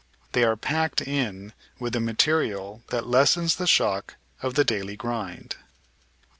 They are "packed" in with a material that lessens the shock of the daily grind.